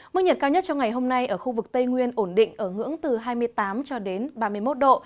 mức nhiệt cao nhất trong ngày hôm nay ở khu vực tây nguyên ổn định ở ngưỡng từ hai mươi tám cho đến ba mươi một độ